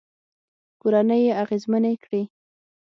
کورنۍ يې اغېزمنې کړې